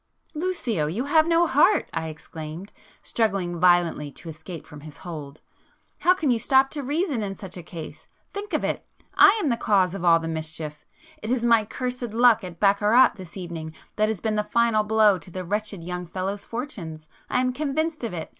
"Lucio! You have no heart!" I exclaimed, struggling violently to escape from his hold—"How can you stop to [p 113] reason in such a case! Think of it! I am the cause of all the mischief!—it is my cursed luck at baccarat this evening that has been the final blow to the wretched young fellow's fortunes,—I am convinced of it!